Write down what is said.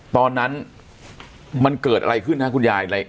ตอนนั้นมันเกิดอะไรขึ้นฮะคุณยาย